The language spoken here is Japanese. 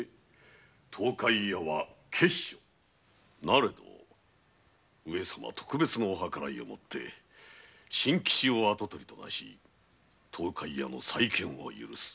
なれど上様特別のお計らいをもって真吉を跡取りとなし東海屋の再建を許す。